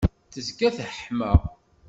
tezga teḥma.